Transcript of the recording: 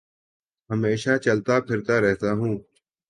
ہمیشہ چلتا پھرتا رہتا ہوں